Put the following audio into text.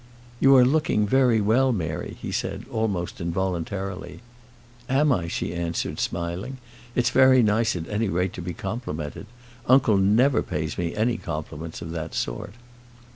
"You are looking very well, Mary," he said, almost involuntarily. "Am I?" she answered, smiling. "It's very nice at any rate to be complimented. Uncle never pays me any compliments of that sort."